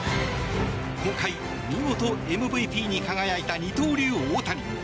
今回、見事ＭＶＰに輝いた二刀流・大谷。